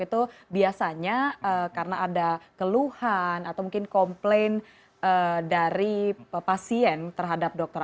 itu biasanya karena ada keluhan atau mungkin komplain dari pasien terhadap dokter